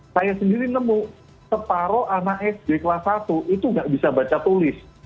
saya sendiri nemu separoh anak sd kelas satu itu nggak bisa baca tulis